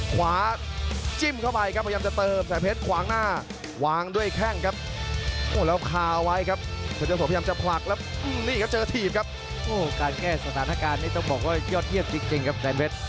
การแก้สถานการณ์นี้ต้องบอกว่ายอดเทียบจริงครับแบรนด์เพชร